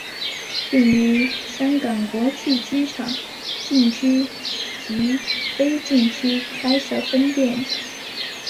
并于香港国际机场禁区及非禁区开设分店。